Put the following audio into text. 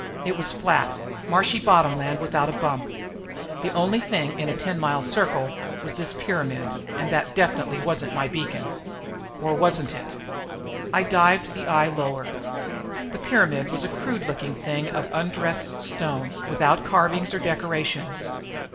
It was flat, marshy bottom land without a bump. The only thing in a ten mile circle was this pyramid and that definitely wasn't my beacon. Or wasn't it? I dived the eye lower. The pyramid was a crude looking thing of undressed stone, without carvings or decorations.